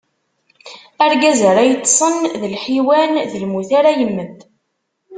Argaz ara yeṭṭṣen d lḥiwan, d lmut ara yemmet.